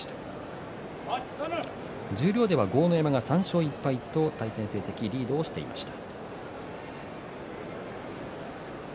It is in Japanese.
十両では豪ノ山が３勝１敗と対戦成績リードしていました。